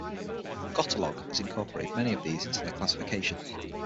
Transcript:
"Glottolog" has incorporated many of these into their classification.